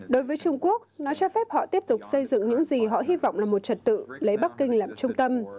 đối với trung quốc nó cho phép họ tiếp tục xây dựng những gì họ hy vọng là một trật tự lấy bắc kinh làm trung tâm